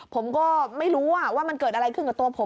ผมก็ไม่รู้ว่ามันเกิดอะไรขึ้นกับตัวผม